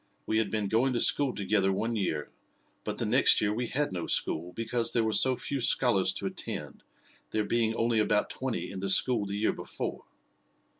We had been going to school together one year; but the next year we had no school, because there were so few scholars to attend, there being only about twenty in the school the year before.